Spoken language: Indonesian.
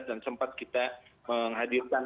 dan sempat kita menghadirkan